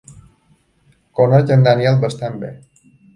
Conec a en Daniel bastant bé.